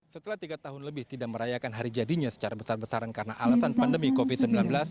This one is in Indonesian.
setelah tiga tahun lebih tidak merayakan hari jadinya secara besar besaran karena alasan pandemi covid sembilan belas